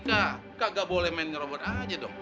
kakak nggak boleh main ngerobot aja dong